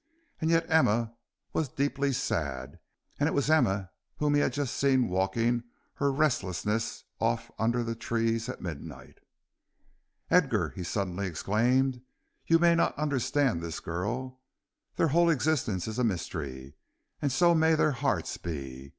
And yet Emma was deeply sad, and it was Emma whom he had just seen walking her restlessness off under the trees at midnight. "Edgar," he suddenly exclaimed, "you may not understand this girl. Their whole existence is a mystery, and so may their hearts be.